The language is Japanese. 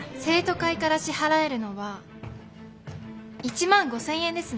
生徒会から支払えるのは１万５，０００円ですね。